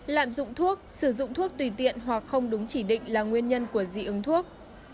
lạm dụng thuốc sử dụng thuốc tùy tiện hoặc không đúng chỉ định là nguyên nhân của dị ứng thuốc